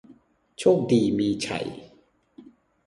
โชคดีมีชัย